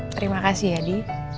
terima kasih ya di